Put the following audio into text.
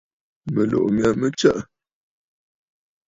Mɨ̀tlùʼù mya mə tsəʼə̂.